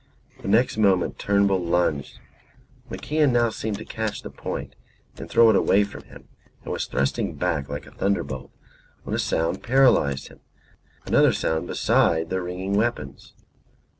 The next moment Turnbull lunged; MacIan seemed to catch the point and throw it away from him, and was thrusting back like a thunderbolt, when a sound paralysed him; another sound beside their ringing weapons.